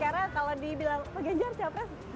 karena kalau dibilang pak ganjar capres